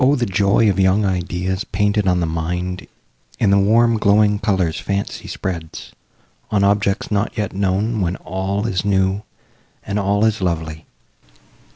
the joy Of young ideas painted on the mind In the warm glowing colours fancy spreads On objects not yet known, when all is new, And all is lovely!